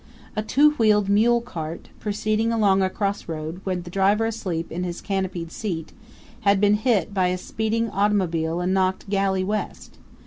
A two wheeled mule cart, proceeding along a crossroad, with the driver asleep in his canopied seat, had been hit by a speeding automobile and knocked galley west.